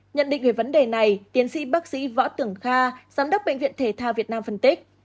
nhận định về vấn đề này tiến sĩ bác sĩ võ tưởng kha giám đốc bệnh viện thể thao việt nam phân tích